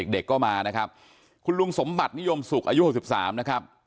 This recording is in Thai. เด็กก็มานะครับคุณลุงสมบัตินิยมสุขอายุ๖๓นะครับ